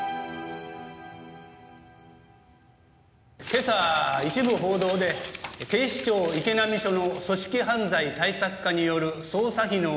今朝一部報道で警視庁池波署の組織犯罪対策課による捜査費の流用が。